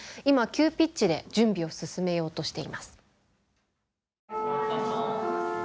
今急ピッチで準備を進めようとしています。